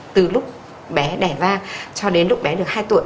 từ lúc bé đẻ va cho đến lúc bé được hai tuổi